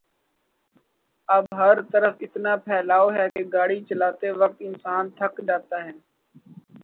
اب ہرطرف اتنا پھیلا ؤ ہے کہ گاڑی چلاتے وقت انسان تھک جاتاہے۔